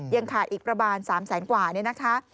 ยังขายอีกประบาน๓๐๐๐๐๐กว่านะคะ